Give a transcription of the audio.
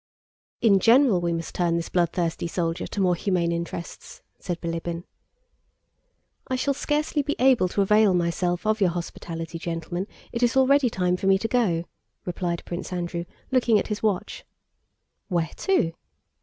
"In general we must turn this bloodthirsty soldier to more humane interests," said Bilíbin. "I shall scarcely be able to avail myself of your hospitality, gentlemen, it is already time for me to go," replied Prince Andrew looking at his watch. "Where to?"